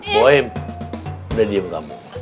boeim udah diem kamu